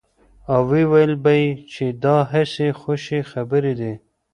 او ويل به يې چې دا هسې خوشې خبرې دي.